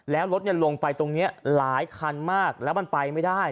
แล้วรถลงไปตรงนี้หลายคันมากแล้วมันไปไม่ได้